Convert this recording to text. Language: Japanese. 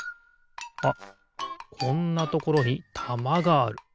あっこんなところにたまがある。